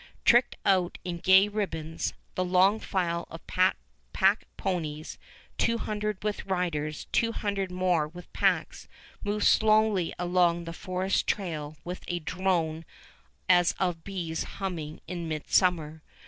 Tricked out in gay ribbons, the long file of pack ponies, two hundred with riders, two hundred more with packs, moved slowly along the forest trail with a drone as of bees humming in midsummer.